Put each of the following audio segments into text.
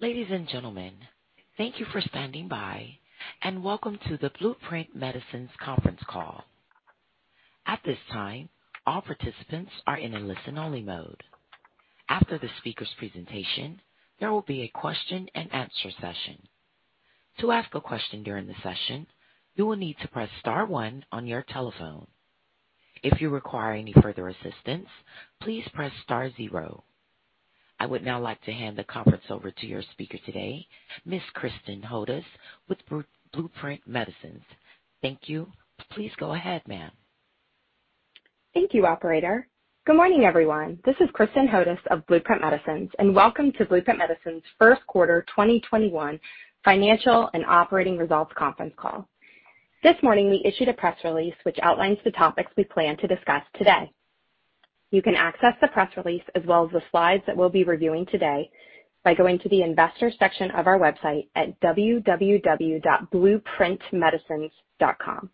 Ladies and gentlemen, thank you for standing by. Welcome to the Blueprint Medicines conference call. At this time, all participants are in a listen-only mode. After the speaker's presentation, there will be a question and answer session. I would now like to hand the conference over to your speaker today, Ms. Kristin Hodous, with Blueprint Medicines. Thank you. Please go ahead, ma'am. Thank you, operator. Good morning, everyone. This is Kristin Hodous of Blueprint Medicines. Welcome to Blueprint Medicines' first quarter 2021 financial and operating results conference call. This morning, we issued a press release which outlines the topics we plan to discuss today. You can access the press release as well as the slides that we'll be reviewing today by going to the Investors section of our website at www.blueprintmedicines.com.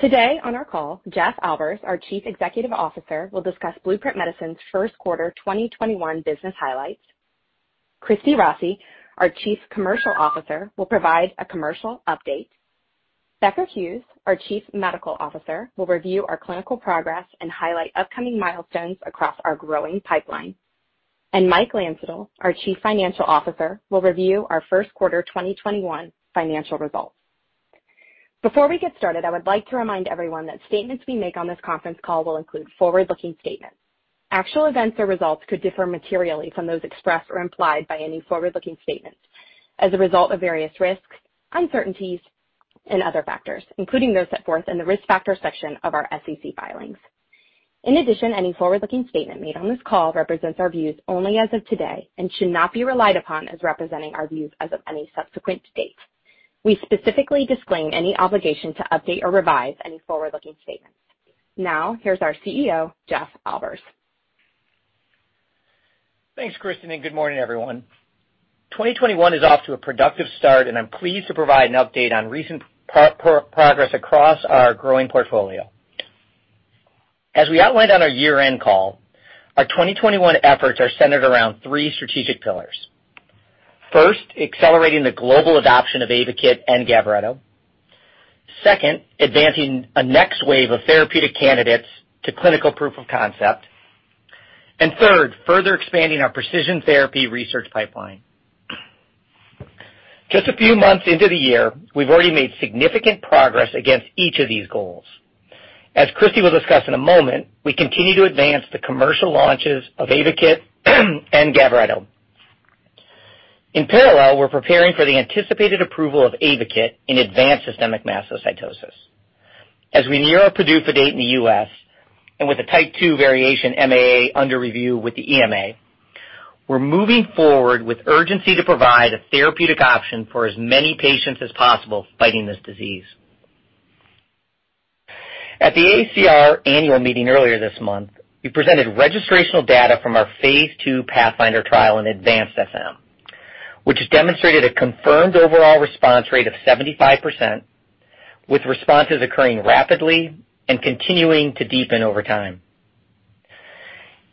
Today on our call, Jeff Albers, our Chief Executive Officer, will discuss Blueprint Medicines' first quarter 2021 business highlights. Christy Rossi, our Chief Commercial Officer, will provide a commercial update. Becker Hewes, our Chief Medical Officer, will review our clinical progress and highlight upcoming milestones across our growing pipeline. Mike Landsittel, our Chief Financial Officer, will review our first quarter 2021 financial results. Before we get started, I would like to remind everyone that statements we make on this conference call will include forward-looking statements. Actual events or results could differ materially from those expressed or implied by any forward-looking statements as a result of various risks, uncertainties, and other factors, including those set forth in the Risk Factors section of our SEC filings. In addition, any forward-looking statement made on this call represents our views only as of today and should not be relied upon as representing our views as of any subsequent date. We specifically disclaim any obligation to update or revise any forward-looking statements. Now, here's our CEO, Jeff Albers. Thanks, Kristin. Good morning, everyone. 2021 is off to a productive start, and I'm pleased to provide an update on recent progress across our growing portfolio. As we outlined on our year-end call, our 2021 efforts are centered around three strategic pillars. First, accelerating the global adoption of AYVAKIT and GAVRETO. Second, advancing a next wave of therapeutic candidates to clinical proof of concept. Third, further expanding our precision therapy research pipeline. Just a few months into the year, we've already made significant progress against each of these goals. As Christy will discuss in a moment, we continue to advance the commercial launches of AYVAKIT and GAVRETO. In parallel, we're preparing for the anticipated approval of AYVAKIT in advanced systemic mastocytosis. As we near our PDUFA date in the U.S. and with a Type II variation MAA under review with the EMA, we're moving forward with urgency to provide a therapeutic option for as many patients as possible fighting this disease. At the AACR annual meeting earlier this month, we presented registrational data from our phase II PATHFINDER trial in advanced SM, which has demonstrated a confirmed overall response rate of 75%, with responses occurring rapidly and continuing to deepen over time.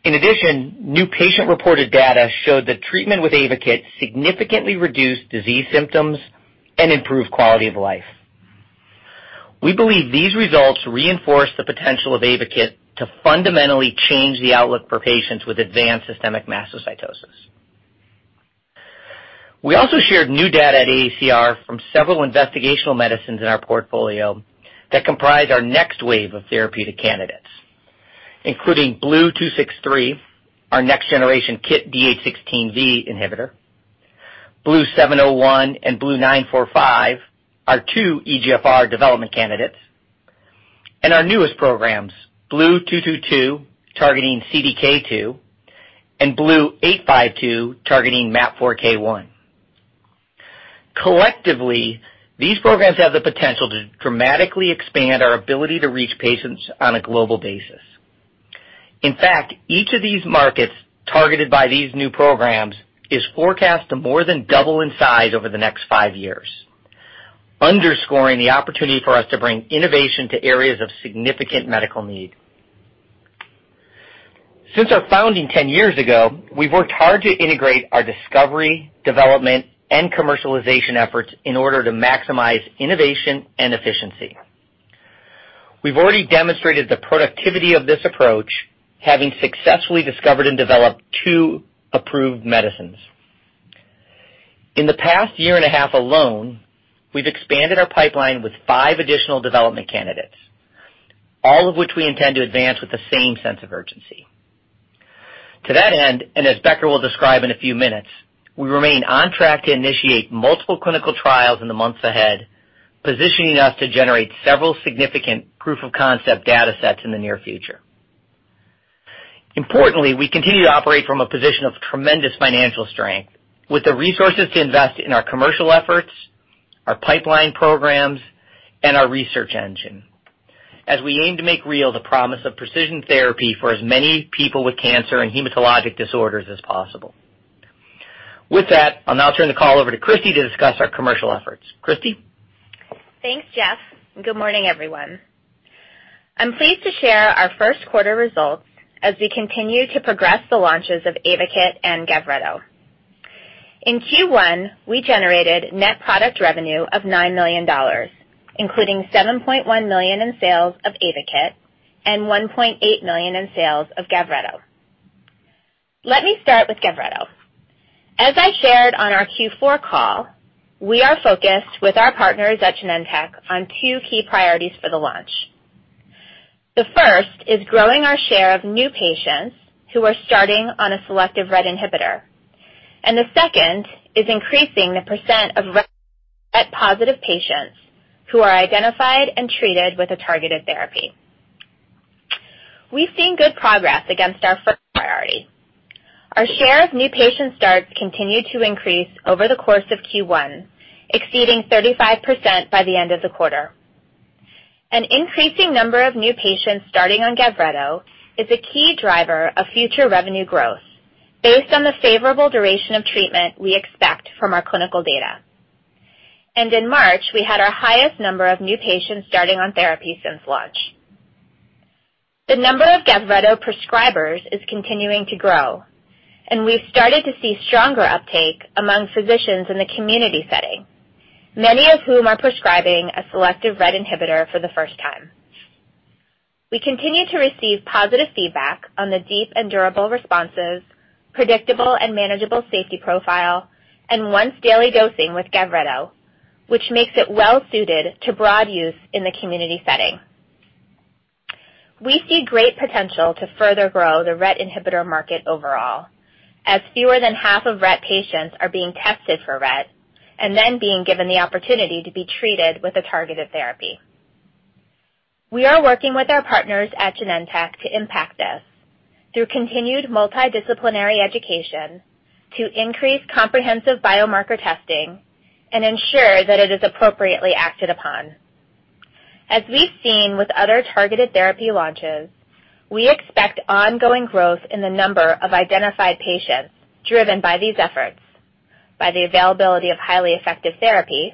New patient-reported data showed that treatment with AYVAKIT significantly reduced disease symptoms and improved quality of life. We believe these results reinforce the potential of AYVAKIT to fundamentally change the outlook for patients with advanced systemic mastocytosis. We also shared new data at AACR from several investigational medicines in our portfolio that comprise our next wave of therapeutic candidates, including BLU-263, our next-generation KIT D816V inhibitor, BLU-701 and BLU-945, our two EGFR development candidates, and our newest programs, BLU-222, targeting CDK2, and BLU-852, targeting MAP4K1. Collectively, these programs have the potential to dramatically expand our ability to reach patients on a global basis. In fact, each of these markets targeted by these new programs is forecast to more than double in size over the next five years, underscoring the opportunity for us to bring innovation to areas of significant medical need. Since our founding 10 years ago, we've worked hard to integrate our discovery, development, and commercialization efforts in order to maximize innovation and efficiency. We've already demonstrated the productivity of this approach, having successfully discovered and developed two approved medicines. In the past year and a half alone, we've expanded our pipeline with five additional development candidates, all of which we intend to advance with the same sense of urgency. To that end, and as Becker will describe in a few minutes, we remain on track to initiate multiple clinical trials in the months ahead, positioning us to generate several significant proof-of-concept data sets in the near future. Importantly, we continue to operate from a position of tremendous financial strength with the resources to invest in our commercial efforts, our pipeline programs, and our research engine as we aim to make real the promise of precision therapy for as many people with cancer and hematologic disorders as possible. With that, I'll now turn the call over to Christy to discuss our commercial efforts. Christy? Thanks, Jeff. Good morning, everyone. I'm pleased to share our first quarter results as we continue to progress the launches of AYVAKIT and GAVRETO. In Q1, we generated net product revenue of $9 million, including $7.1 million in sales of AYVAKIT and $1.8 million in sales of GAVRETO. Let me start with GAVRETO. As I shared on our Q4 call, we are focused, with our partners at Genentech, on two key priorities for the launch. The first is growing our share of new patients who are starting on a selective RET inhibitor. The second is increasing the percent of RET-positive patients who are identified and treated with a targeted therapy. We've seen good progress against our first priority. Our share of new patient starts continued to increase over the course of Q1, exceeding 35% by the end of the quarter. An increasing number of new patients starting on GAVRETO is a key driver of future revenue growth based on the favorable duration of treatment we expect from our clinical data. In March, we had our highest number of new patients starting on therapy since launch. The number of GAVRETO prescribers is continuing to grow, and we've started to see stronger uptake among physicians in the community setting, many of whom are prescribing a selective RET inhibitor for the first time. We continue to receive positive feedback on the deep and durable responses, predictable and manageable safety profile, and once-daily dosing with GAVRETO, which makes it well suited to broad use in the community setting. We see great potential to further grow the RET inhibitor market overall, as fewer than half of RET patients are being tested for RET and then being given the opportunity to be treated with a targeted therapy. We are working with our partners at Genentech to impact this through continued multidisciplinary education to increase comprehensive biomarker testing and ensure that it is appropriately acted upon. As we've seen with other targeted therapy launches, we expect ongoing growth in the number of identified patients driven by these efforts, by the availability of highly effective therapy,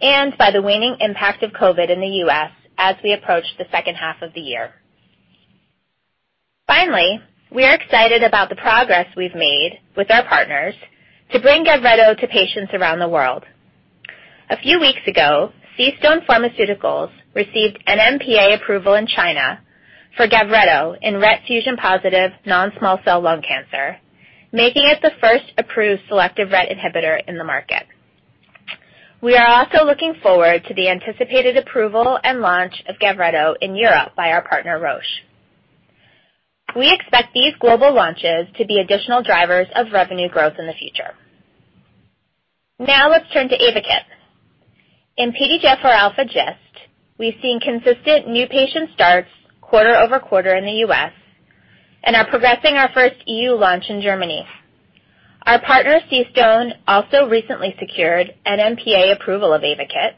and by the waning impact of COVID in the U.S. as we approach the second half of the year. Finally, we are excited about the progress we've made with our partners to bring GAVRETO to patients around the world. A few weeks ago, CStone Pharmaceuticals received NMPA approval in China for GAVRETO in RET fusion-positive non-small cell lung cancer, making it the first approved selective RET inhibitor in the market. We are also looking forward to the anticipated approval and launch of GAVRETO in Europe by our partner, Roche. We expect these global launches to be additional drivers of revenue growth in the future. Now let's turn to AYVAKIT. In PDGFRA GIST, we've seen consistent new patient starts quarter-over-quarter in the U.S. and are progressing our first EU launch in Germany. Our partner, CStone, also recently secured NMPA approval of AYVAKIT,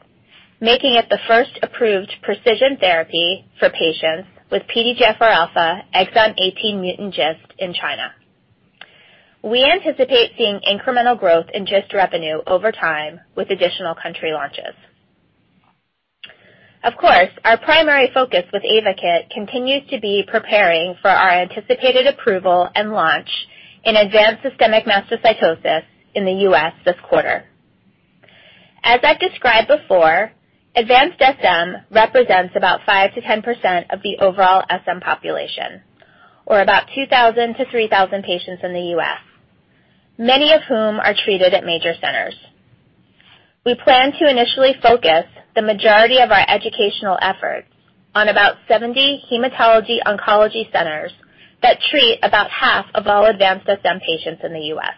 making it the first approved precision therapy for patients with PDGFRA exon 18 mutant GIST in China. We anticipate seeing incremental growth in GIST revenue over time with additional country launches. Of course, our primary focus with AYVAKIT continues to be preparing for our anticipated approval and launch in advanced systemic mastocytosis in the U.S. this quarter. As I described before, advanced SM represents about 5%-10% of the overall SM population, or about 2,000 patients-3,000 patients in the U.S., many of whom are treated at major centers. We plan to initially focus the majority of our educational efforts on about 70 hematology oncology centers that treat about half of all advanced SM patients in the U.S.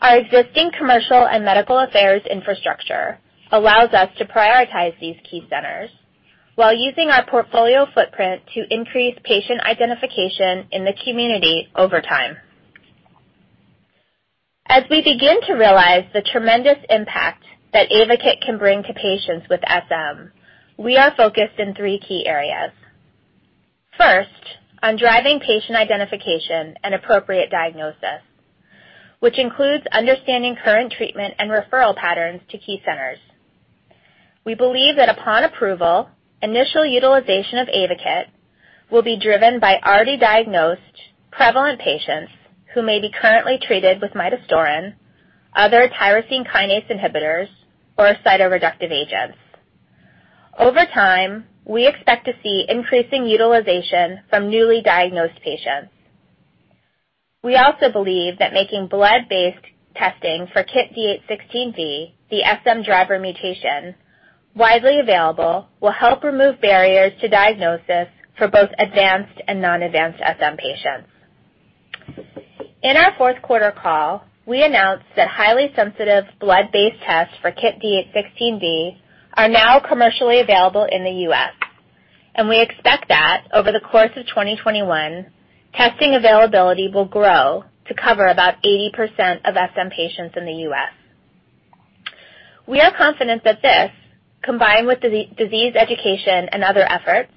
Our existing commercial and medical affairs infrastructure allows us to prioritize these key centers while using our portfolio footprint to increase patient identification in the community over time. As we begin to realize the tremendous impact that AYVAKIT can bring to patients with SM, we are focused in three key areas. First, on driving patient identification and appropriate diagnosis, which includes understanding current treatment and referral patterns to key centers. We believe that upon approval, initial utilization of AYVAKIT will be driven by already diagnosed prevalent patients who may be currently treated with midostaurin, other tyrosine kinase inhibitors, or cytoreductive agents. Over time, we expect to see increasing utilization from newly diagnosed patients. We also believe that making blood-based testing for KIT D816V, the SM driver mutation, widely available will help remove barriers to diagnosis for both advanced and non-advanced SM patients. In our fourth quarter call, we announced that highly sensitive blood-based tests for KIT D816V are now commercially available in the U.S., and we expect that over the course of 2021, testing availability will grow to cover about 80% of SM patients in the U.S. We are confident that this, combined with disease education and other efforts,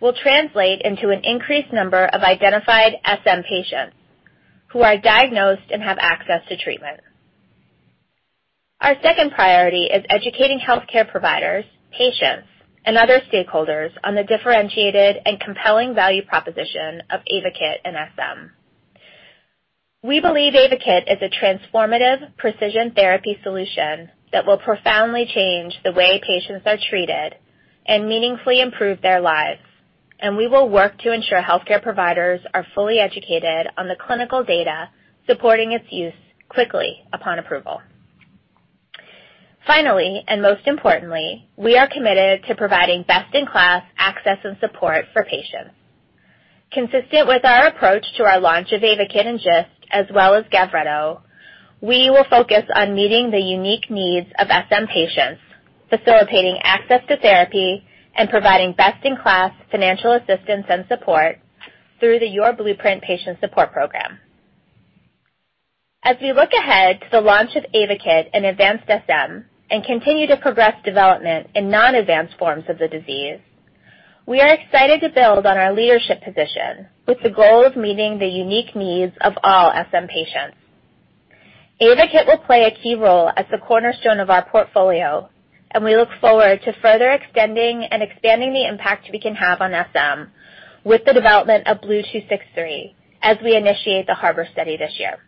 will translate into an increased number of identified SM patients who are diagnosed and have access to treatment. Our second priority is educating healthcare providers, patients, and other stakeholders on the differentiated and compelling value proposition of AYVAKIT and SM. We believe AYVAKIT is a transformative precision therapy solution that will profoundly change the way patients are treated and meaningfully improve their lives. We will work to ensure healthcare providers are fully educated on the clinical data supporting its use quickly upon approval. Finally, and most importantly, we are committed to providing best-in-class access and support for patients. Consistent with our approach to our launch of AYVAKIT and GIST, as well as GAVRETO, we will focus on meeting the unique needs of SM patients, facilitating access to therapy, and providing best-in-class financial assistance and support through the YourBlueprint patient support program. As we look ahead to the launch of AYVAKIT in advanced SM and continue to progress development in non-advanced forms of the disease, we are excited to build on our leadership position with the goal of meeting the unique needs of all SM patients. AYVAKIT will play a key role as the cornerstone of our portfolio, and we look forward to further extending and expanding the impact we can have on SM with the development of BLU-263 as we initiate the HARBOR study this year.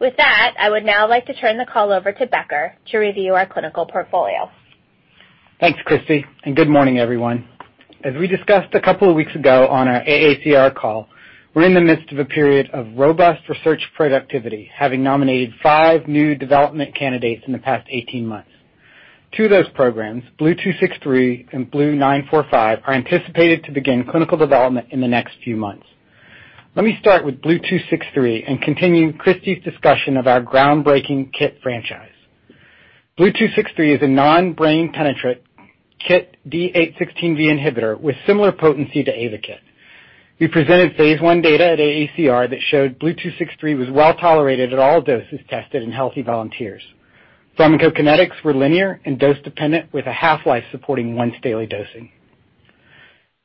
With that, I would now like to turn the call over to Becker Hewes to review our clinical portfolio. Thanks, Christy. Good morning, everyone. As we discussed a couple of weeks ago on our AACR call, we're in the midst of a period of robust research productivity, having nominated five new development candidates in the past 18 months. Two of those programs, BLU-263 and BLU-945, are anticipated to begin clinical development in the next few months. Let me start with BLU-263, continuing Christy's discussion of our groundbreaking KIT franchise. BLU-263 is a non-brain penetrant KIT D816V inhibitor with similar potency to AYVAKIT. We presented phase I data at AACR that showed BLU-263 was well-tolerated at all doses tested in healthy volunteers. Pharmacokinetics were linear and dose-dependent with a half-life supporting once daily dosing.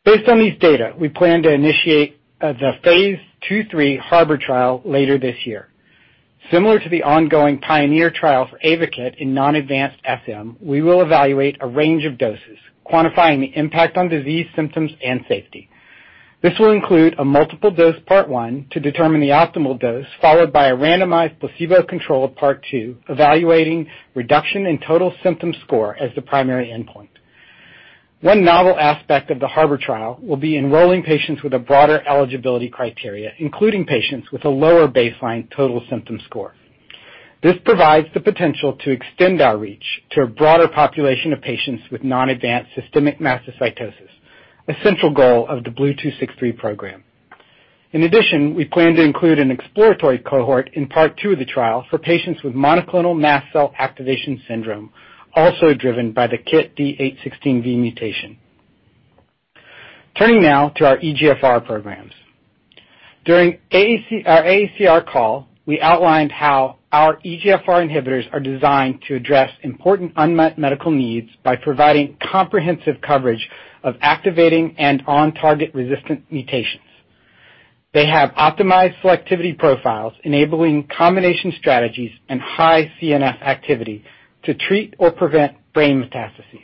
Based on these data, we plan to initiate the phase II-III HARBOR trial later this year. Similar to the ongoing PIONEER trial for AYVAKIT in non-advanced SM, we will evaluate a range of doses, quantifying the impact on disease symptoms and safety. This will include a multiple-dose part one to determine the optimal dose, followed by a randomized placebo-controlled part two evaluating reduction in total symptom score as the primary endpoint. One novel aspect of the HARBOR trial will be enrolling patients with a broader eligibility criteria, including patients with a lower baseline total symptom score. This provides the potential to extend our reach to a broader population of patients with non-advanced systemic mastocytosis, a central goal of the BLU-263 program. In addition, we plan to include an exploratory cohort in part two of the trial for patients with monoclonal mast cell activation syndrome, also driven by the KIT D816V mutation. Turning now to our EGFR programs. During our AACR call, we outlined how our EGFR inhibitors are designed to address important unmet medical needs by providing comprehensive coverage of activating and on-target resistant mutations. They have optimized selectivity profiles, enabling combination strategies and high CNS activity to treat or prevent brain metastases.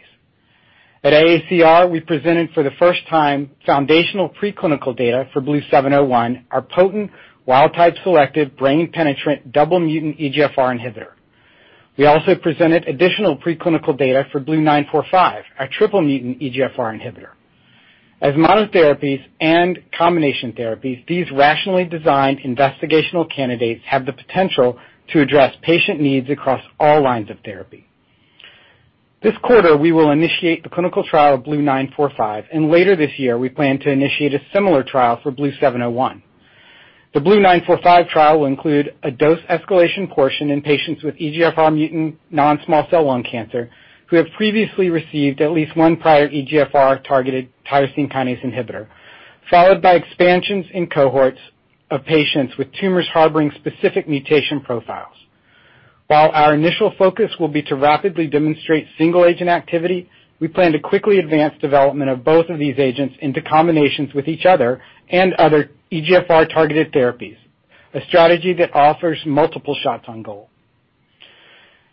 At AACR, we presented for the first time foundational preclinical data for BLU-701, our potent wild-type selective brain-penetrant double mutant EGFR inhibitor. We also presented additional preclinical data for BLU-945, our triple mutant EGFR inhibitor. As monotherapies and combination therapies, these rationally designed investigational candidates have the potential to address patient needs across all lines of therapy. This quarter, we will initiate the clinical trial of BLU-945. Later this year, we plan to initiate a similar trial for BLU-701. The BLU-945 trial will include a dose escalation portion in patients with EGFR mutant non-small cell lung cancer who have previously received at least one prior EGFR-targeted tyrosine kinase inhibitor, followed by expansions in cohorts of patients with tumors harboring specific mutation profiles. While our initial focus will be to rapidly demonstrate single agent activity, we plan to quickly advance development of both of these agents into combinations with each other and other EGFR-targeted therapies, a strategy that offers multiple shots on goal.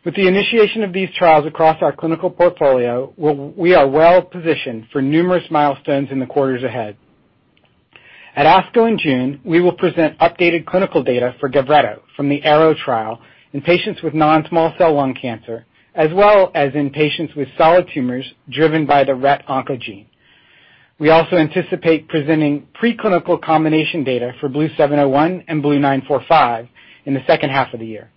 With the initiation of these trials across our clinical portfolio, we are well positioned for numerous milestones in the quarters ahead. At ASCO in June, we will present updated clinical data for GAVRETO from the ARROW trial in patients with non-small cell lung cancer, as well as in patients with solid tumors driven by the RET oncogene. We also anticipate presenting preclinical combination data for BLU-701 and BLU-945 in the second half of the year.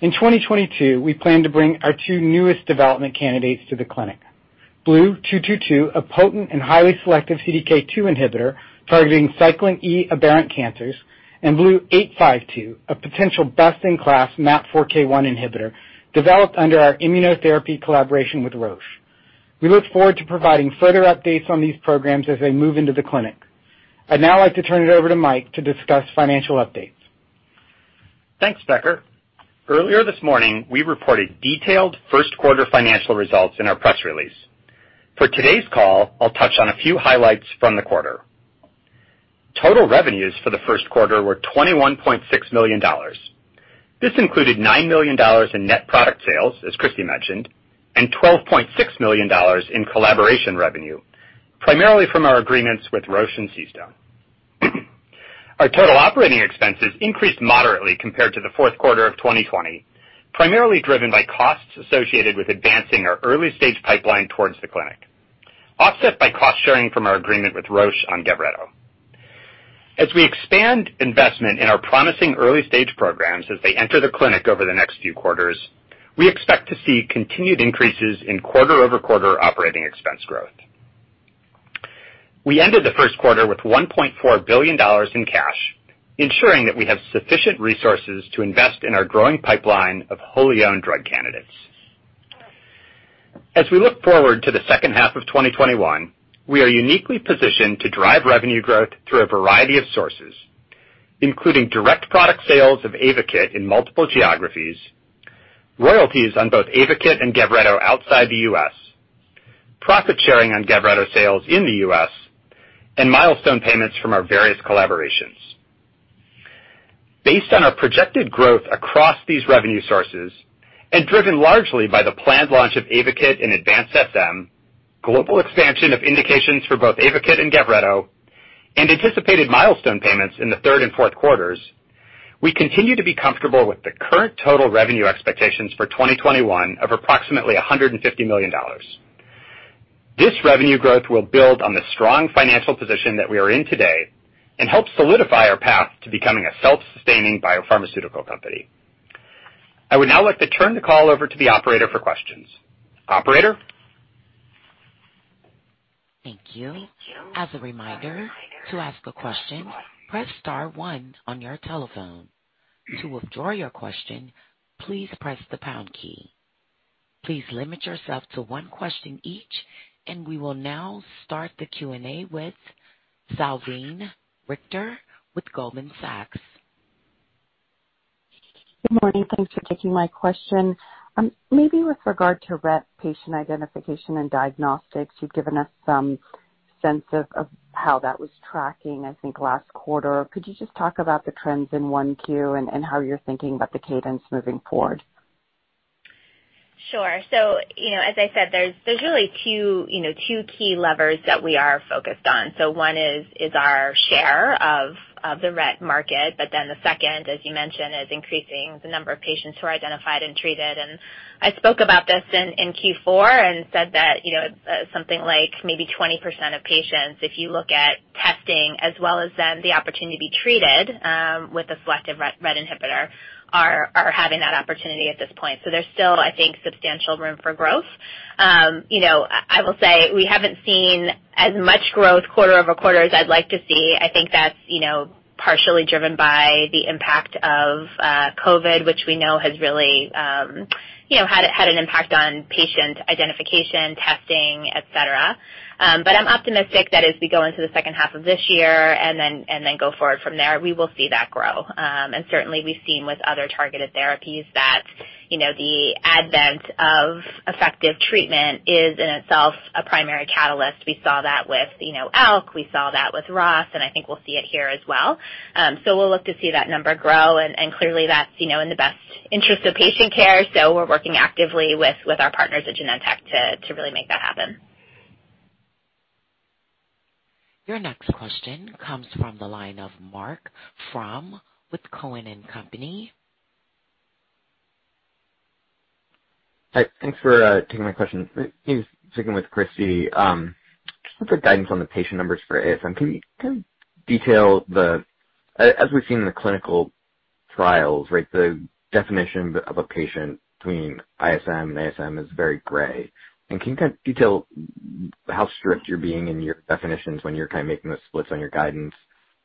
In 2022, we plan to bring our two newest development candidates to the clinic. BLU-222, a potent and highly selective CDK2 inhibitor targeting cyclin E aberrant cancers, and BLU-852, a potential best-in-class MAP4K1 inhibitor developed under our immunotherapy collaboration with Roche. We look forward to providing further updates on these programs as they move into the clinic. I'd now like to turn it over to Mike to discuss financial updates. Thanks, Becker. Earlier this morning, we reported detailed first quarter financial results in our press release. For today's call, I'll touch on a few highlights from the quarter. Total revenues for the first quarter were $21.6 million. This included $9 million in net product sales, as Christy mentioned, and $12.6 million in collaboration revenue, primarily from our agreements with Roche and CStone. Our total operating expenses increased moderately compared to the fourth quarter of 2020, primarily driven by costs associated with advancing our early-stage pipeline towards the clinic, offset by cost-sharing from our agreement with Roche on GAVRETO. As we expand investment in our promising early-stage programs as they enter the clinic over the next few quarters, we expect to see continued increases in quarter-over-quarter operating expense growth. We ended the first quarter with $1.4 billion in cash, ensuring that we have sufficient resources to invest in our growing pipeline of wholly-owned drug candidates. As we look forward to the second half of 2021, we are uniquely positioned to drive revenue growth through a variety of sources, including direct product sales of AYVAKIT in multiple geographies, royalties on both AYVAKIT and GAVRETO outside the U.S., profit sharing on GAVRETO sales in the U.S., and milestone payments from our various collaborations. Based on a projected growth across these revenue sources and driven largely by the planned launch of AYVAKIT in advanced SM, global expansion of indications for both AYVAKIT and GAVRETO, and anticipated milestone payments in the third and fourth quarters, we continue to be comfortable with the current total revenue expectations for 2021 of approximately $150 million. This revenue growth will build on the strong financial position that we are in today and help solidify our path to becoming a self-sustaining biopharmaceutical company. I would now like to turn the call over to the operator for questions. Operator? Thank you. As a reminder, to ask a question, press star one on your telephone. To withdraw your question, please press the pound key. Please limit yourself to one question each. We will now start the Q&A with Salveen Richter with Goldman Sachs. Good morning. Thanks for taking my question. Maybe with regard to RET patient identification and diagnostics, you've given us some sense of how that was tracking, I think, last quarter. Could you just talk about the trends in 1Q and how you're thinking about the cadence moving forward? Sure. As I said, there's really two key levers that we are focused on. One is our share of the RET market, the second, as you mentioned, is increasing the number of patients who are identified and treated. I spoke about this in Q4 and said that something like maybe 20% of patients, if you look at testing as well as the opportunity to be treated with a selective RET inhibitor, are having that opportunity at this point. There's still, I think, substantial room for growth. I will say we haven't seen as much growth quarter-over-quarter as I'd like to see. I think that's partially driven by the impact of COVID, which we know has really had an impact on patient identification, testing, et cetera. I'm optimistic that as we go into the second half of this year and then go forward from there, we will see that grow. Certainly, we've seen with other targeted therapies that the advent of effective treatment is, in itself, a primary catalyst. We saw that with ALK, we saw that with ROS, and I think we'll see it here as well. We'll look to see that number grow and clearly that's in the best interest of patient care, so we're working actively with our partners at Genentech to really make that happen. Your next question comes from the line of Marc Frahm with Cowen and Company. Hi, thanks for taking my question. Sticking with Christy, just looking for guidance on the patient numbers for ASM. As we've seen in the clinical trials, the definition of a patient between ISM and ASM is very gray. Can you kind of detail how strict you're being in your definitions when you're making those splits on your guidance?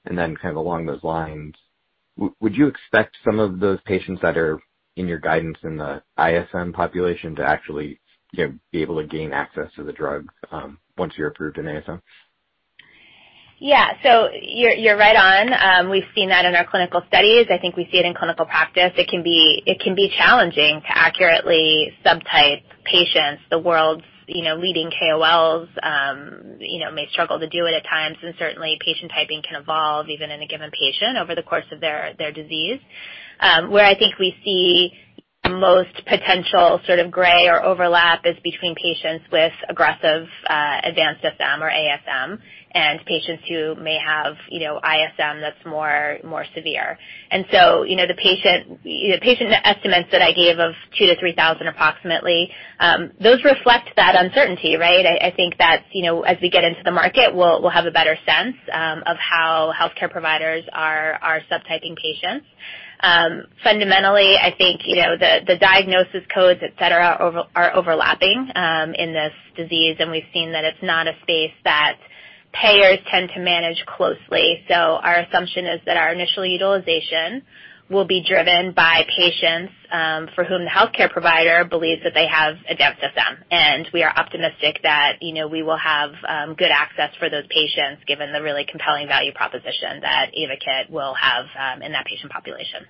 Then along those lines, would you expect some of those patients that are in your guidance in the ISM population to actually be able to gain access to the drug once you're approved in ASM? You are right on. We have seen that in our clinical studies. I think we see it in clinical practice. It can be challenging to accurately subtype patients. The world's leading KOLs may struggle to do it at times. Certainly patient typing can evolve even in a given patient over the course of their disease. Where I think we see the most potential sort of gray or overlap is between patients with aggressive advanced SM or ASM and patients who may have ISM that is more severe. The patient estimates that I gave of 2,000-3,000 approximately, those reflect that uncertainty, right? I think that as we get into the market, we will have a better sense of how healthcare providers are subtyping patients. Fundamentally, I think the diagnosis codes, et cetera, are overlapping in this disease. We've seen that it's not a space that payers tend to manage closely. Our assumption is that our initial utilization will be driven by patients for whom the healthcare provider believes that they have advanced SM. We are optimistic that we will have good access for those patients given the really compelling value proposition that AYVAKIT will have in that patient population.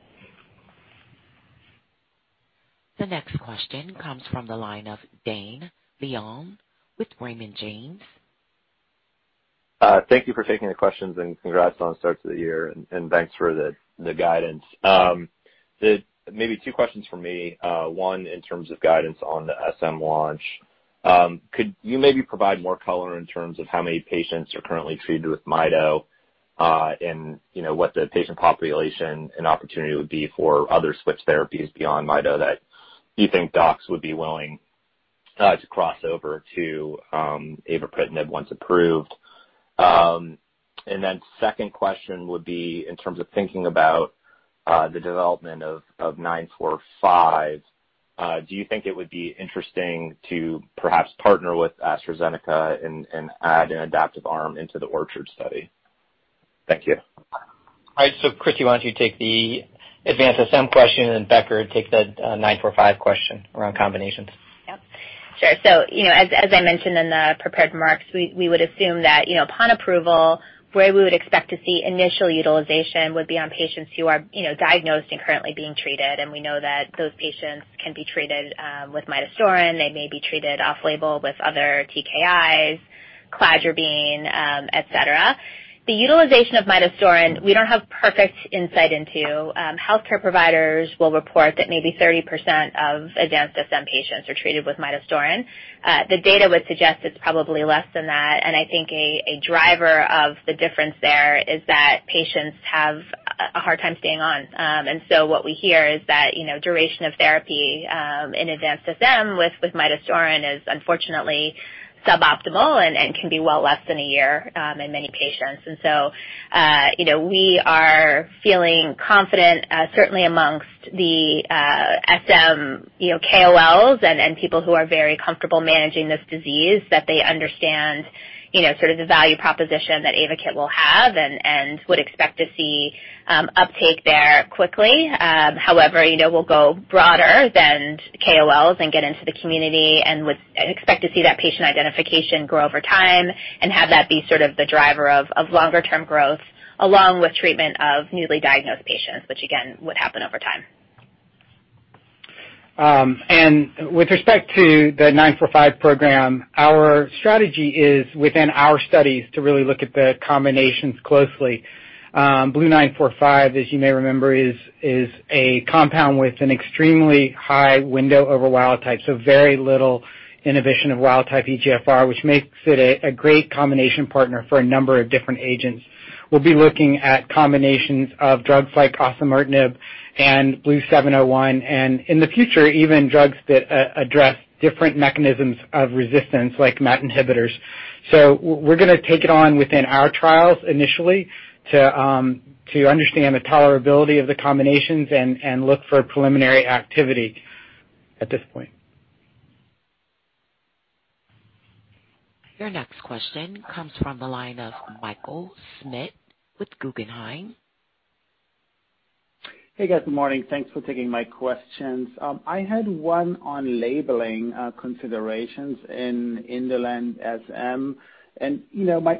The next question comes from the line of Dane Leone with Raymond James. Thank you for taking the questions and congrats on the start to the year and thanks for the guidance. Maybe two questions from me. One, in terms of guidance on the SM launch. Could you maybe provide more color in terms of how many patients are currently treated with Mido, and what the patient population and opportunity would be for other switch therapies beyond Mido that you think docs would be willing to cross over to avapritinib once approved? Second question would be, in terms of thinking about the development of BLU-945, do you think it would be interesting to perhaps partner with AstraZeneca and add an adaptive arm into the ORCHARD study? Thank you. All right. Christy, why don't you take the advanced SM question and Becker take the 945 question around combinations. Yep. Sure. As I mentioned in the prepared remarks, we would assume that, upon approval, where we would expect to see initial utilization would be on patients who are diagnosed and currently being treated. We know that those patients can be treated with midostaurin. They may be treated off-label with other TKIs, cladribine, et cetera. The utilization of midostaurin, we don't have perfect insight into. Healthcare providers will report that maybe 30% of advanced SM patients are treated with midostaurin. The data would suggest it's probably less than that. I think a driver of the difference there is that patients have a hard time staying on. What we hear is that duration of therapy, in advanced SM with midostaurin is unfortunately suboptimal and can be well less than a year in many patients. We are feeling confident, certainly amongst the SM KOLs and people who are very comfortable managing this disease, that they understand sort of the value proposition that AYVAKIT will have and would expect to see uptake there quickly. However, we'll go broader than KOLs and get into the community and would expect to see that patient identification grow over time and have that be sort of the driver of longer-term growth along with treatment of newly diagnosed patients, which again, would happen over time. With respect to the BLU-945 program, our strategy is within our studies to really look at the combinations closely. BLU-945, as you may remember, is a compound with an extremely high window over wild-type, so very little inhibition of wild-type EGFR, which makes it a great combination partner for a number of different agents. We'll be looking at combinations of drugs like osimertinib and BLU-701, and in the future, even drugs that address different mechanisms of resistance, like MET inhibitors. We're going to take it on within our trials initially to understand the tolerability of the combinations and look for preliminary activity at this point. Your next question comes from the line of Michael Schmidt with Guggenheim. Hey, guys. Good morning. Thanks for taking my questions. I had one on labeling considerations in indolent SM, and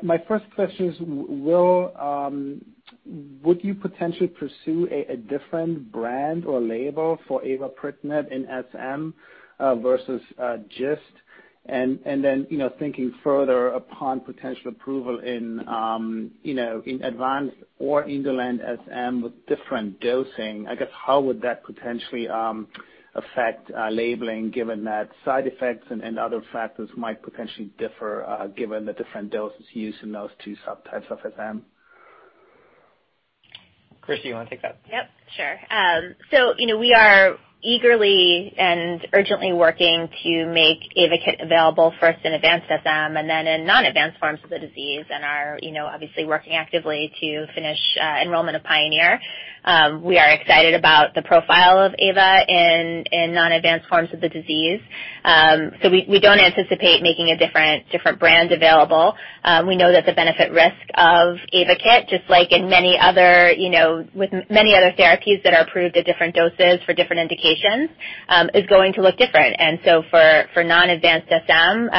my first question is, would you potentially pursue a different brand or label for avapritinib in SM versus GIST? Thinking further upon potential approval in advanced or indolent SM with different dosing, I guess how would that potentially affect labeling given that side effects and other factors might potentially differ, given the different doses used in those two subtypes of SM? Christy, you want to take that? Yep, sure. We are eagerly and urgently working to make AYVAKIT available first in advanced SM and then in non-advanced forms of the disease and are obviously working actively to finish enrollment of PIONEER. We are excited about the profile of AYVAKIT in non-advanced forms of the disease. We don't anticipate making a different brand available. We know that the benefit risk of AYVAKIT, just like with many other therapies that are approved at different doses for different indications, is going to look different. For non-advanced SM,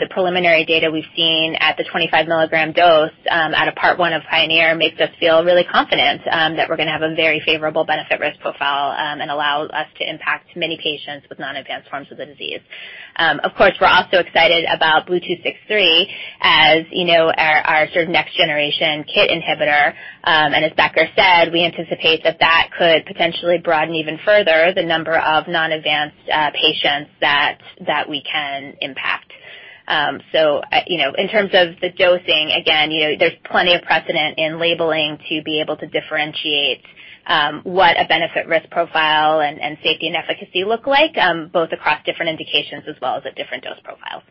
the preliminary data we've seen at the 25 mg dose out of Part 1 of PIONEER makes us feel really confident that we're going to have a very favorable benefit risk profile and allow us to impact many patients with non-advanced forms of the disease. Of course, we're also excited about BLU-263 as our sort of next-generation KIT inhibitor. As Becker said, we anticipate that that could potentially broaden even further the number of non-advanced patients that we can impact. In terms of the dosing, again, there's plenty of precedent in labeling to be able to differentiate what a benefit-risk profile and safety and efficacy look like, both across different indications as well as at different dose profiles.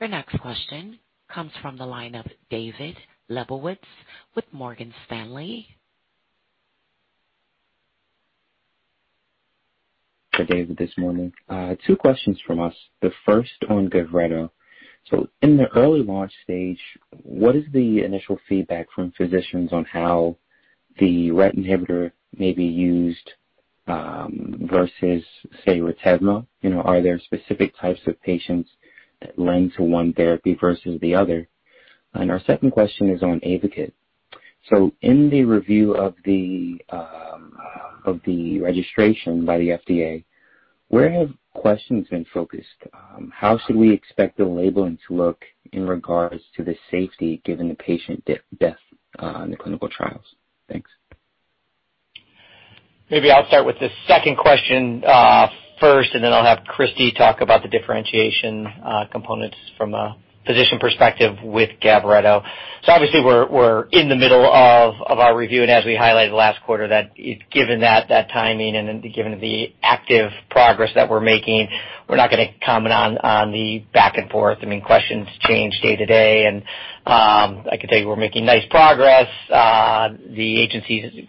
Your next question comes from the line of David Lebowitz with Morgan Stanley. For David this morning. Two questions from us. The first on GAVRETO. In the early launch stage, what is the initial feedback from physicians on how the RET inhibitor may be used? Versus, say, RETEVMO. Are there specific types of patients that lend to one therapy versus the other? Our second question is on AYVAKIT. In the review of the registration by the FDA, where have questions been focused? How should we expect the labeling to look in regards to the safety given the patient death in the clinical trials? Thanks. I'll start with the second question first, and then I'll have Christy talk about the differentiation components from a physician perspective with GAVRETO. Obviously we're in the middle of our review, and as we highlighted last quarter, that given that timing and then given the active progress that we're making, we're not going to comment on the back and forth. Questions change day to day, and I can tell you we're making nice progress. The agency's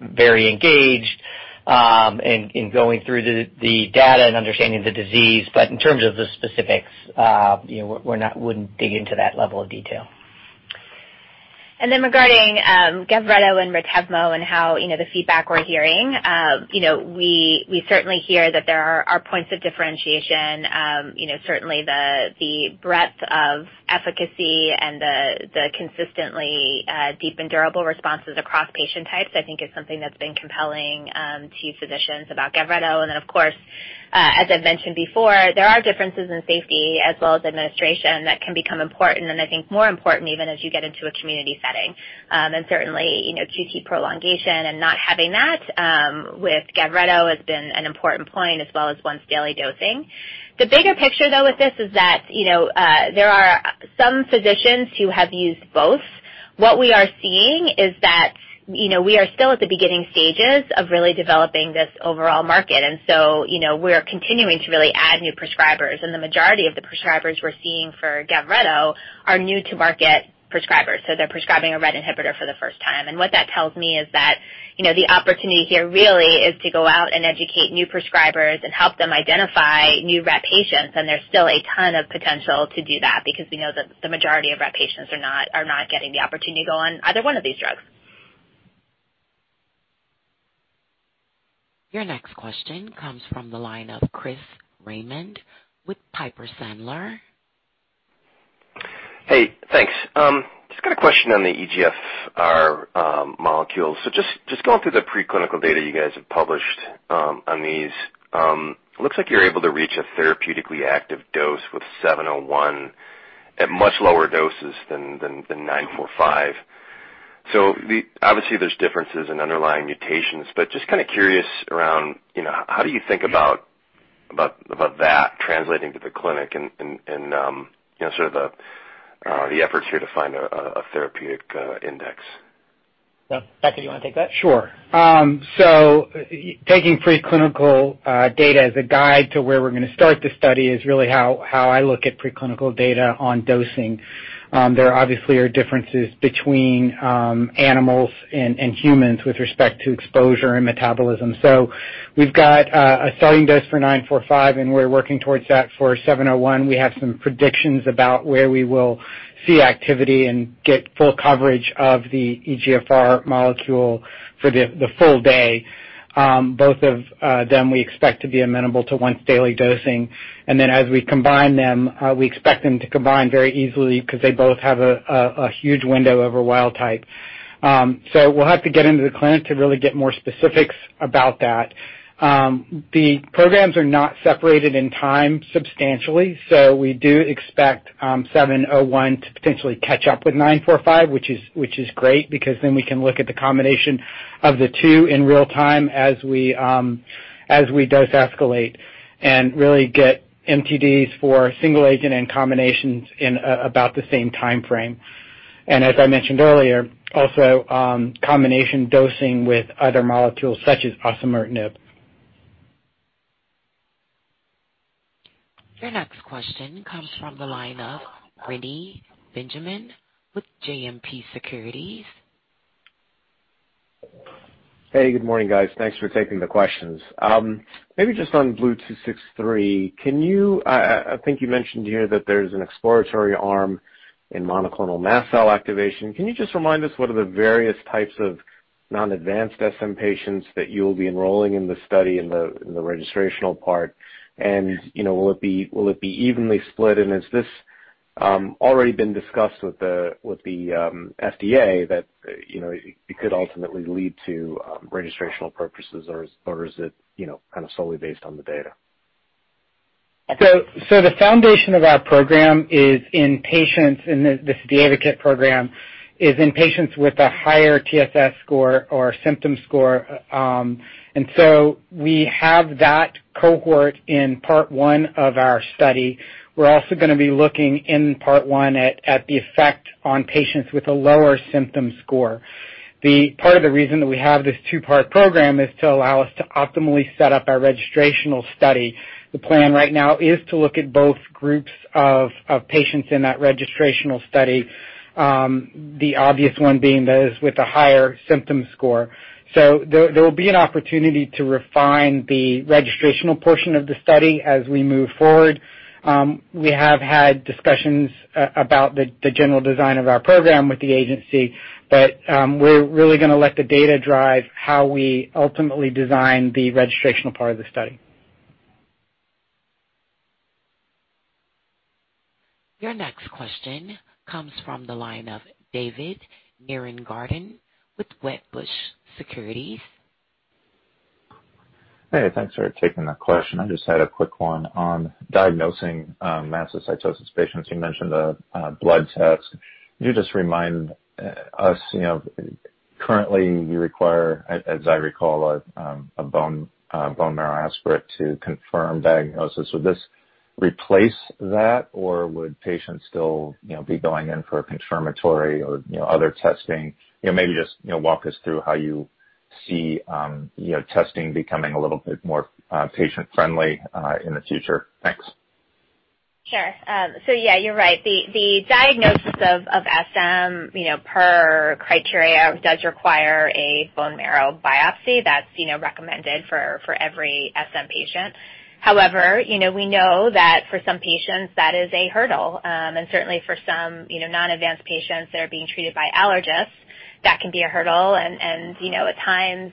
very engaged in going through the data and understanding the disease. In terms of the specifics, we wouldn't dig into that level of detail. Regarding GAVRETO and RETEVMO and the feedback we're hearing, we certainly hear that there are points of differentiation. Certainly the breadth of efficacy and the consistently deep and durable responses across patient types, I think, is something that's been compelling to physicians about GAVRETO. Of course, as I've mentioned before, there are differences in safety as well as administration that can become important, and I think more important even as you get into a community setting. Certainly, QT prolongation and not having that with GAVRETO has been an important point, as well as once daily dosing. The bigger picture, though, with this is that there are some physicians who have used both. What we are seeing is that we are still at the beginning stages of really developing this overall market, we're continuing to really add new prescribers, the majority of the prescribers we're seeing for GAVRETO are new to market prescribers. They're prescribing a RET inhibitor for the first time. What that tells me is that the opportunity here really is to go out and educate new prescribers, help them identify new RET patients, there's still a ton of potential to do that because we know that the majority of RET patients are not getting the opportunity to go on either one of these drugs. Your next question comes from the line of Chris Raymond with Piper Sandler. Hey, thanks. Just got a question on the EGFR molecule. Just going through the preclinical data you guys have published on these, looks like you're able to reach a therapeutically active dose with 701 at much lower doses than 945. Obviously there's differences in underlying mutations, but just curious around how do you think about that translating to the clinic and the efforts here to find a therapeutic index? Yeah. Becker, do you want to take that? Sure. Taking preclinical data as a guide to where we're going to start the study is really how I look at preclinical data on dosing. There obviously are differences between animals and humans with respect to exposure and metabolism. We've got a starting dose for 945, and we're working towards that for 701. We have some predictions about where we will see activity and get full coverage of the EGFR molecule for the full day. Both of them we expect to be amenable to once daily dosing. As we combine them, we expect them to combine very easily because they both have a huge window over wild type. We'll have to get into the clinic to really get more specifics about that. The programs are not separated in time substantially. We do expect 701 to potentially catch up with 945, which is great because then we can look at the combination of the two in real time as we dose escalate and really get MTDs for single agent and combinations in about the same timeframe. As I mentioned earlier, also combination dosing with other molecules such as osimertinib. Your next question comes from the line of Reni Benjamin with JMP Securities. Hey, good morning, guys. Thanks for taking the questions. Just on BLU-263. I think you mentioned here that there's an exploratory arm in monoclonal mast cell activation. Can you just remind us what are the various types of non-advanced SM patients that you'll be enrolling in the study in the registrational part? Will it be evenly split, and has this already been discussed with the FDA that it could ultimately lead to registrational purposes, or is it solely based on the data? The foundation of our program is in patients, and this is the AYVAKIT program, is in patients with a higher TSS score or symptom score. We have that cohort in part one of our study. We're also going to be looking in part one at the effect on patients with a lower symptom score. Part of the reason that we have this two-part program is to allow us to optimally set up our registrational study. The plan right now is to look at both groups of patients in that registrational study, the obvious one being those with a higher symptom score. There will be an opportunity to refine the registrational portion of the study as we move forward. We have had discussions about the general design of our program with the agency, but we're really going to let the data drive how we ultimately design the registrational part of the study. Your next question comes from the line of David Nierengarten with Wedbush Securities. Hey, thanks for taking the question. I just had a quick one on diagnosing mastocytosis patients. You mentioned a blood test. Can you just remind us, currently you require, as I recall, a bone marrow aspirate to confirm diagnosis. Would this replace that, or would patients still be going in for a confirmatory or other testing? Maybe just walk us through how you see testing becoming a little bit more patient-friendly in the future. Thanks. Sure. Yeah, you're right. The diagnosis of SM per criteria does require a bone marrow biopsy that's recommended for every SM patient. However, we know that for some patients that is a hurdle. Certainly for some non-advanced patients that are being treated by allergists, that can be a hurdle. At times,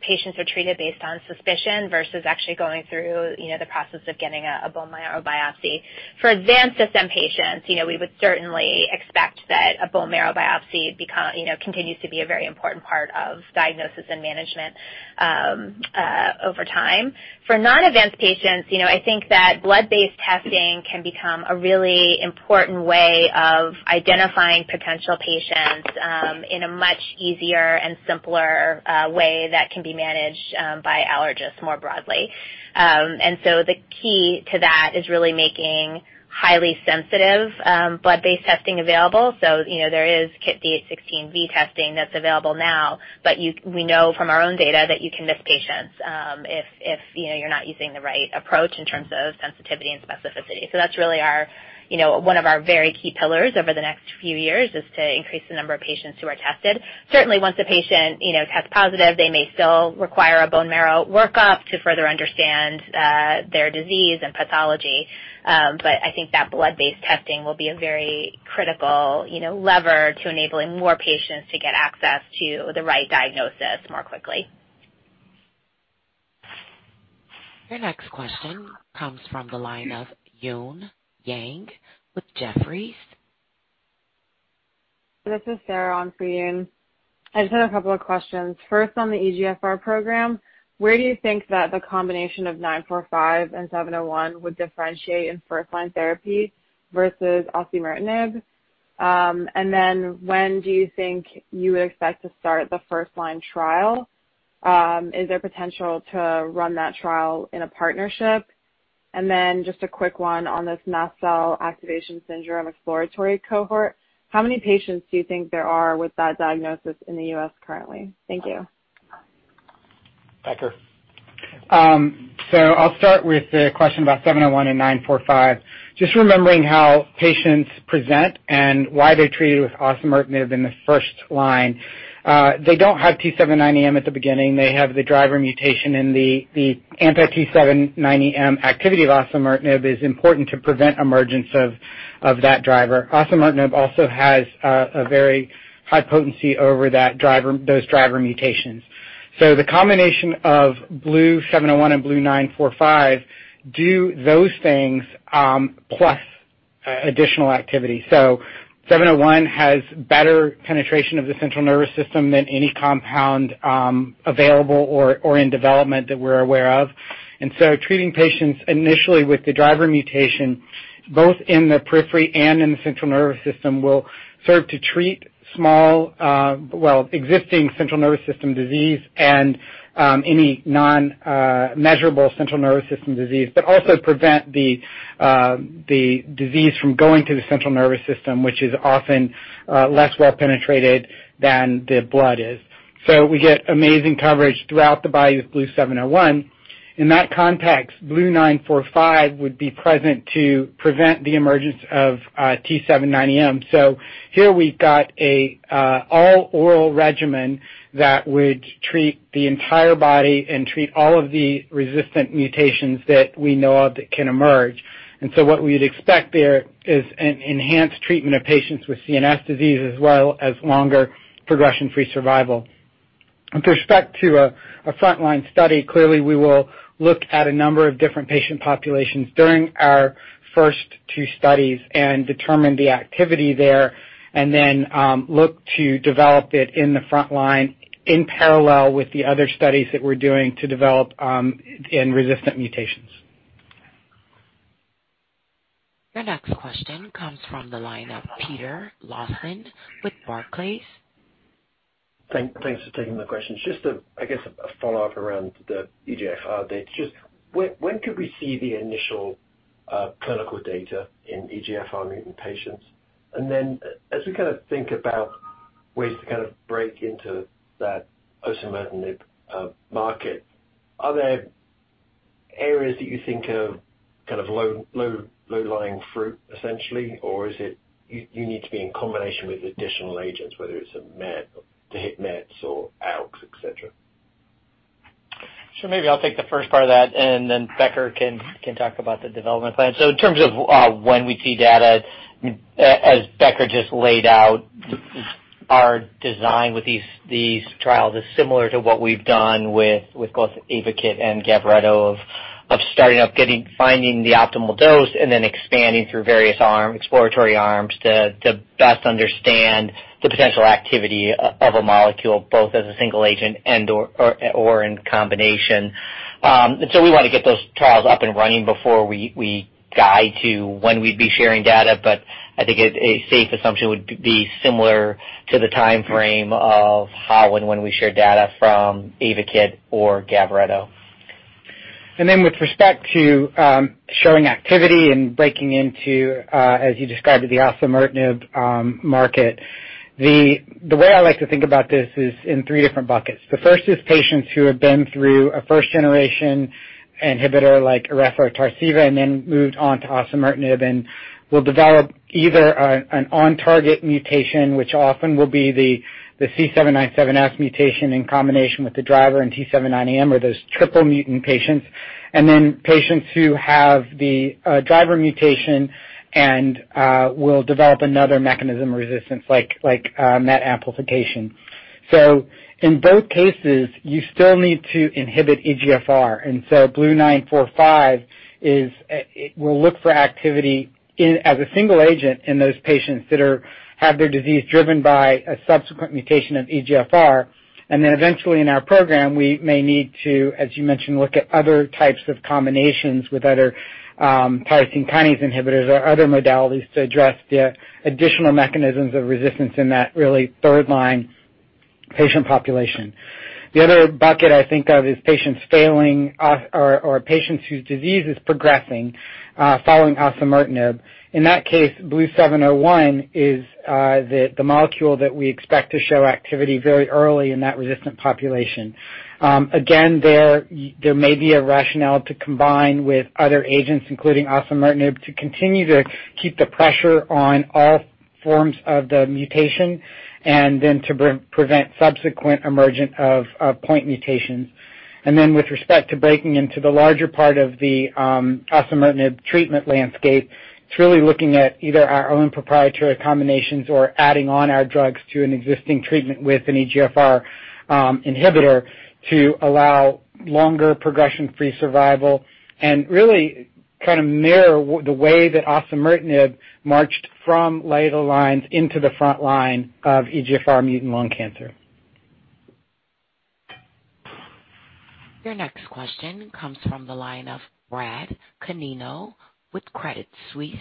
patients are treated based on suspicion versus actually going through the process of getting a bone marrow biopsy. For advanced SM patients, we would certainly expect that a bone marrow biopsy continues to be a very important part of diagnosis and management over time. For non-advanced patients, I think that blood-based testing can become a really important way of identifying potential patients in a much easier and simpler way that can be managed by allergists more broadly. The key to that is really making highly sensitive blood-based testing available. There is KIT D816V testing that's available now, but we know from our own data that you can miss patients if you're not using the right approach in terms of sensitivity and specificity. That's really one of our very key pillars over the next few years is to increase the number of patients who are tested. Certainly, once a patient tests positive, they may still require a bone marrow workup to further understand their disease and pathology. I think that blood-based testing will be a very critical lever to enabling more patients to get access to the right diagnosis more quickly. Your next question comes from the line of Eun Yang with Jefferies. This is Sarah on for Eun Yang. I just had a couple of questions. First, on the EGFR program, where do you think that the combination of BLU-945 and BLU-701 would differentiate in first-line therapy versus osimertinib? When do you think you would expect to start the first-line trial? Is there potential to run that trial in a partnership? Just a quick one on this mast cell activation syndrome exploratory cohort. How many patients do you think there are with that diagnosis in the U.S. currently? Thank you. Becker. I'll start with the question about 701 and 945. Just remembering how patients present and why they're treated with osimertinib in the first line. They don't have T790M at the beginning. They have the driver mutation, and the anti-T790M activity of osimertinib is important to prevent emergence of that driver. Osimertinib also has a very high potency over those driver mutations. The combination of BLU-701 and BLU-945 do those things, plus additional activity. 701 has better penetration of the central nervous system than any compound available or in development that we're aware of. Treating patients initially with the driver mutation, both in the periphery and in the central nervous system, will serve to treat existing central nervous system disease and any non-measurable central nervous system disease, but also prevent the disease from going to the central nervous system, which is often less well penetrated than the blood is. We get amazing coverage throughout the body with BLU-701. In that context, BLU-945 would be present to prevent the emergence of T790M. Here we've got an all-oral regimen that would treat the entire body and treat all of the resistant mutations that we know of that can emerge. What we'd expect there is an enhanced treatment of patients with CNS disease, as well as longer progression-free survival. With respect to a frontline study, clearly, we will look at a number of different patient populations during our first two studies and determine the activity there, and then look to develop it in the frontline in parallel with the other studies that we're doing to develop in resistant mutations. Your next question comes from the line of Peter Lawson with Barclays. Thanks for taking my question. Just, I guess, a follow-up around the EGFR data. Just when could we see the initial clinical data in EGFR mutant patients? As we think about ways to break into that osimertinib market, are there areas that you think of low-lying fruit, essentially? Is it you need to be in combination with additional agents, whether it's a MEK, the HIT-MEKs or ALKs, et cetera? Sure. Maybe I'll take the first part of that and then Becker can talk about the development plan. In terms of when we see data, as Becker just laid out, our design with these trials is similar to what we've done with both AYVAKIT and GAVRETO of starting up, finding the optimal dose, and then expanding through various exploratory arms to best understand the potential activity of a molecule, both as a single agent and/or in combination. We want to get those trials up and running before we guide to when we'd be sharing data. I think a safe assumption would be similar to the timeframe of how and when we share data from AYVAKIT or GAVRETO. With respect to showing activity and breaking into, as you described, the osimertinib market, the way I like to think about this is in three different buckets. The first is patients who have been through a first-generation inhibitor like erlotinib or Tarceva, and then moved on to osimertinib and will develop either an on-target mutation, which often will be the C797S mutation in combination with the driver and T790M, or those triple mutant patients, and then patients who have the driver mutation and will develop another mechanism resistance like MET amplification. In both cases, you still need to inhibit EGFR. BLU-945 will look for activity as a single agent in those patients that have their disease driven by a subsequent mutation of EGFR. Eventually in our program, we may need to, as you mentioned, look at other types of combinations with other tyrosine kinase inhibitors or other modalities to address the additional mechanisms of resistance in that really third line patient population. The other bucket I think of is patients failing or patients whose disease is progressing following osimertinib. In that case, BLU-701 is the molecule that we expect to show activity very early in that resistant population. There may be a rationale to combine with other agents, including osimertinib, to continue to keep the pressure on all forms of the mutation, to prevent subsequent emergence of point mutations. With respect to breaking into the larger part of the osimertinib treatment landscape, it's really looking at either our own proprietary combinations or adding on our drugs to an existing treatment with an EGFR inhibitor to allow longer progression-free survival and really kind of mirror the way that osimertinib marched from later lines into the frontline of EGFR mutant lung cancer. Your next question comes from the line of Bradley Canino with Credit Suisse.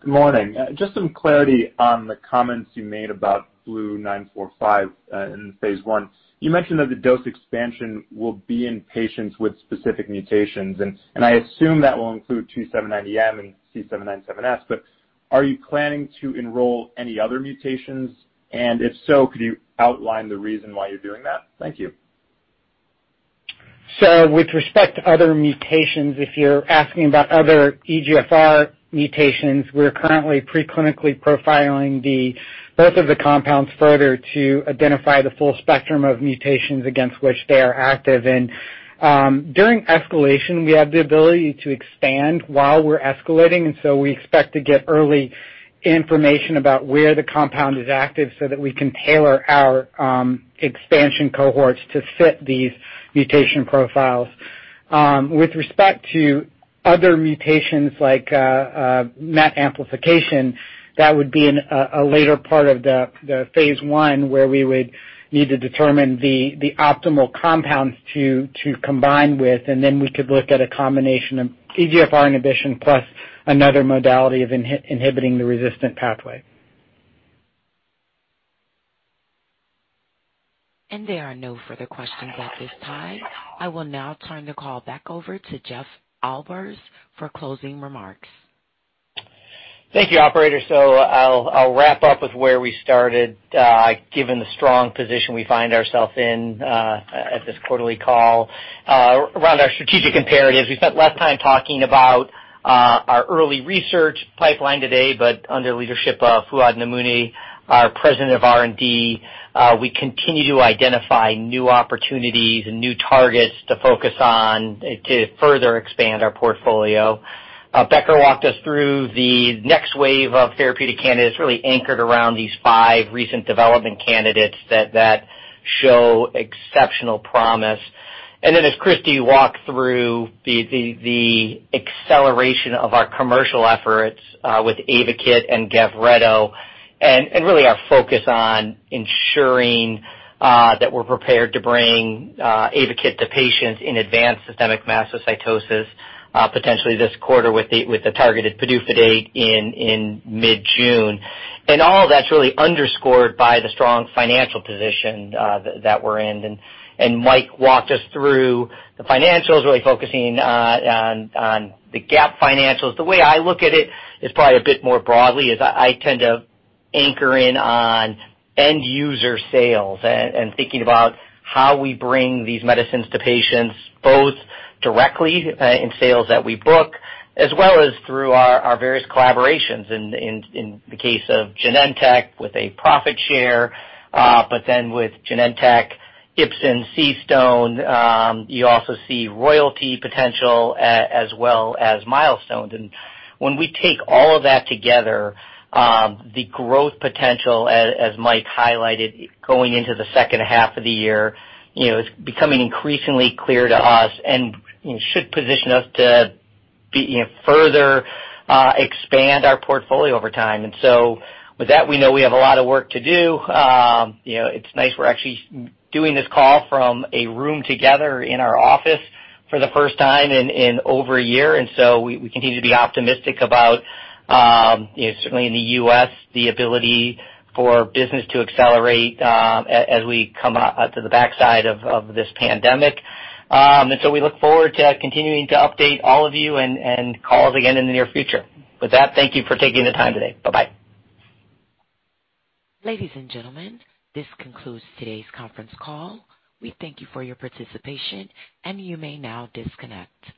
Good morning. Just some clarity on the comments you made about BLU-945 in phase I. You mentioned that the dose expansion will be in patients with specific mutations, and I assume that will include T790M and C797S, but are you planning to enroll any other mutations? If so, could you outline the reason why you're doing that? Thank you. With respect to other mutations, if you're asking about other EGFR mutations, we're currently pre-clinically profiling both of the compounds further to identify the full spectrum of mutations against which they are active in. During escalation, we have the ability to expand while we're escalating, we expect to get early information about where the compound is active so that we can tailor our expansion cohorts to fit these mutation profiles. With respect to other mutations like MET amplification, that would be in a later part of the phase I, where we would need to determine the optimal compounds to combine with, we could look at a combination of EGFR inhibition plus another modality of inhibiting the resistant pathway. There are no further questions at this time. I will now turn the call back over to Jeff Albers for closing remarks. Thank you, operator. I'll wrap up with where we started, given the strong position we find ourselves in at this quarterly call around our strategic imperatives. We spent less time talking about our early research pipeline today, but under the leadership of Fouad Namouni, our President of R&D, we continue to identify new opportunities and new targets to focus on to further expand our portfolio. Becker Hewes walked us through the next wave of therapeutic candidates really anchored around these five recent development candidates that show exceptional promise. As Christy Rossi walked through the acceleration of our commercial efforts with AYVAKIT and GAVRETO, and really our focus on ensuring that we're prepared to bring AYVAKIT to patients in advanced systemic mastocytosis, potentially this quarter with the targeted PDUFA date in mid-June. All that's really underscored by the strong financial position that we're in. Mike walked us through the financials, really focusing on the GAAP financials. The way I look at it is probably a bit more broadly, as I tend to anchor in on end-user sales and thinking about how we bring these medicines to patients, both directly in sales that we book, as well as through our various collaborations in the case of Genentech with a profit share. Then with Genentech, Ipsen, CStone, you also see royalty potential as well as milestones. When we take all of that together, the growth potential, as Mike highlighted, going into the second half of the year, it's becoming increasingly clear to us and should position us to further expand our portfolio over time. With that, we know we have a lot of work to do. It's nice we're actually doing this call from a room together in our office for the first time in over a year. We continue to be optimistic about, certainly in the U.S., the ability for business to accelerate as we come out to the backside of this pandemic. We look forward to continuing to update all of you and call again in the near future. With that, thank you for taking the time today. Bye-bye. Ladies and gentlemen, this concludes today's conference call. We thank you for your participation, and you may now disconnect.